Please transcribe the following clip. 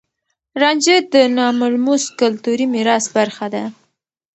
رانجه د ناملموس کلتوري ميراث برخه ده.